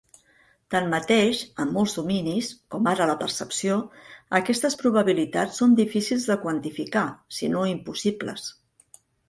Tanmateix, en molts dominis, com ara la percepció, aquestes probabilitats són difícils de quantificar, sinó impossibles.